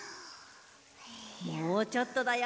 もうちょっとだよ。